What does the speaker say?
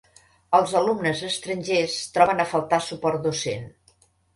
Els alumnes estrangers troben a faltar suport docent.